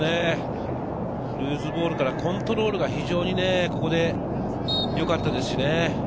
ルーズボールからコントロールが非常にね、よかったですしね。